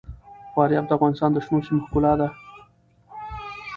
فاریاب د افغانستان د شنو سیمو ښکلا ده.